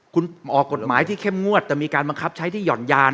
คุณออกกฎหมายที่เข้มงวดแต่มีการบังคับใช้ที่หย่อนยาน